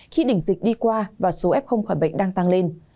khi đỉnh dịch đi qua và số f khỏi bệnh đang tăng lên